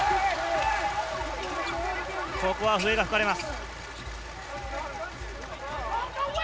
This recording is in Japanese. ここは笛が吹かれます。